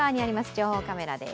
情報カメラです。